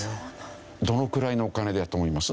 どのくらいのお金だと思います？